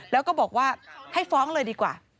แล้วก็บอกว่าให้ฟ้องเลยดีกว่า